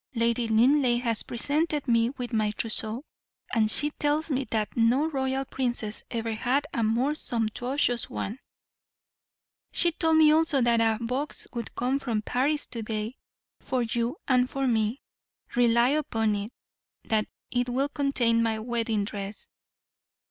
Lady Linleigh has presented me with my trousseau, and she tells me that no royal princess ever had a more sumptuous one; she told me also that a box would come from Paris to day, for you and for me; rely upon it, that will contain my wedding dress."